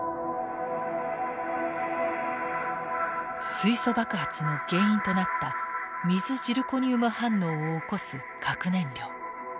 水素爆発の原因となった水ジルコニウム反応を起こす核燃料。